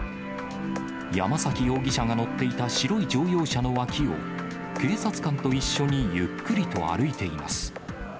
山崎容疑者が乗っていた白い乗用車の脇を、警察官と一緒にゆっくりと歩いています。